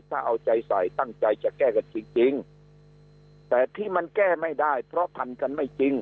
ถ้าเอาใจใส่ตั้งใจจะแก้กันจริงจริงแต่ที่มันแก้ไม่ได้เพราะพันกันไม่จริง